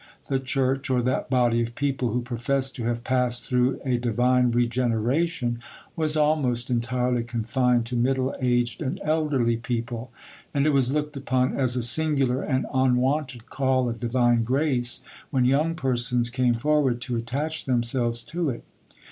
The church, or that body of people who professed to have passed through a divine regeneration, was almost entirely confined to middle aged and elderly people, and it was looked upon as a singular and unwonted call of divine grace when young persons came forward to attach themselves to it.